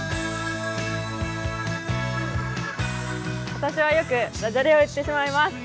私はよくダジャレを言ってしまいます。